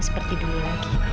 seperti dulu lagi